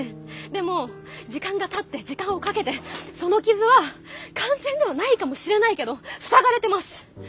でも時間がたって時間をかけてその傷は完全ではないかもしれないけど塞がれてます。